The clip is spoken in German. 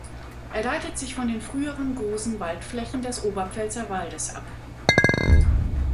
Er leitet sich von den früheren großen Waldflächen des Oberpfälzer Waldes ab.